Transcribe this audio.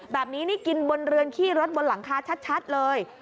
แบบนี้นี่กินบนเรือนขี้รถบนหลังคาชัดเลย